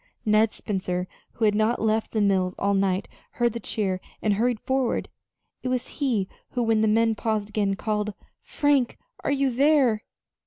Ned Spencer, who had not left the mills all night, heard the cheer and hurried forward. It was he who, when the men paused again, called: "Frank, are you there?"